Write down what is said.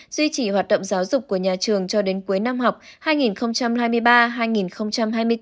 duy trì hoạt động giáo dục của nhà trường cho đến cuối năm học hai nghìn hai mươi ba hai nghìn hai mươi bốn